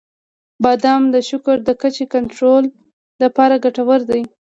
• بادام د شکر د کچې د کنټرول لپاره ګټور دي.